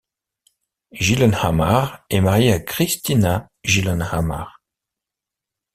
Gyllenhammar est marié à Christina Gyllenhammar.